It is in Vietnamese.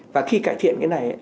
và khi cải thiện cái này